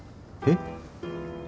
えっ？